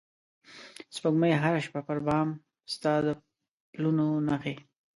سپوږمۍ هره شپه پر بام ستا د پلونو نښې